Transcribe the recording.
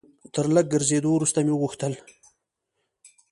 تر لږ ګرځېدو وروسته مې وغوښتل.